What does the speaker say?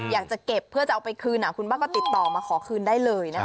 อยากจะเก็บเพื่อจะเอาไปคืนคุณป้าก็ติดต่อมาขอคืนได้เลยนะคะ